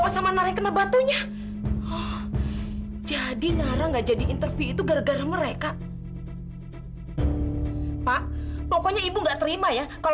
sampai jumpa di video selanjutnya